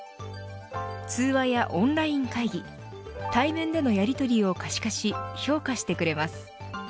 通話やオンライン会議対面でのやりとりを可視化し評価してくれます。